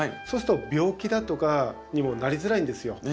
そうすると病気だとかにもなりづらいんですよ。